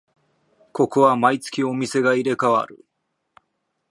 ここは毎月お店が入れ替わる